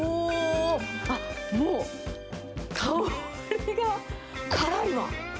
もう、香りが辛いわ。